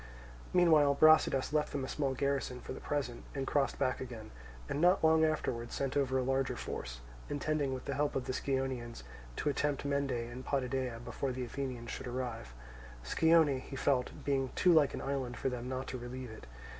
Meanwhile Brasidas left them a small garrison for the present and crossed back again, and not long afterwards sent over a larger force, intending with the help of the Scionaeans to attempt Mende and Potidæa before the Athenians should arrive; Scione, he felt, being too like an island for them not to relieve it.